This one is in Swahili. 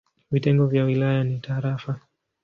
Vitengo vya wilaya ni tarafa.